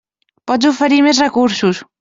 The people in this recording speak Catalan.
Pots oferir més recursos.